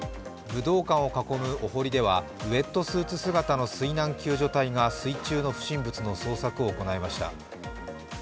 武道館を囲むお堀ではウエットスーツ姿の水難救助隊が水中の不審物の捜索を行いました。